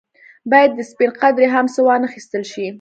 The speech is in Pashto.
باید د سپڼ قدرې هم څه وانه اخیستل شي.